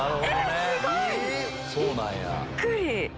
すごい！びっくり！